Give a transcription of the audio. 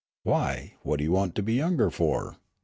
"Why, what do you want to be younger for?"